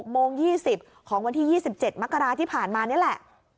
โมง๒๐ของวันที่๒๗มกราที่ผ่านมานี่แหละ